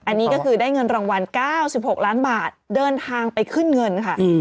อันนี้ก็คือได้เงินรางวัล๙๖ล้านบาทเดินทางไปขึ้นเงินค่ะ